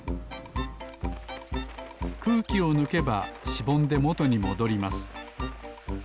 くうきをぬけばしぼんでもとにもどります。